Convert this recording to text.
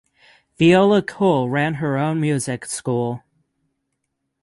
Viola Cole ran her own music school.